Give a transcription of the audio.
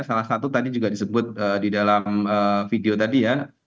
salah satu tadi juga disebut di dalam video tadi ya